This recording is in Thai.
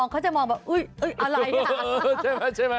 เขาจะมองแบบอุ๊ยอะไรค่ะ